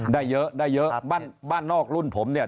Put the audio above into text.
ได้เยอะได้เยอะบ้านบ้านนอกรุ่นผมเนี่ย